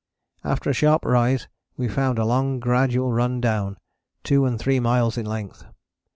After a sharp rise we found a long gradual run down, two and three miles in length.